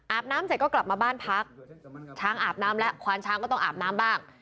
น้ำเสร็จก็กลับมาบ้านพักช้างอาบน้ำแล้วควานช้างก็ต้องอาบน้ำบ้าง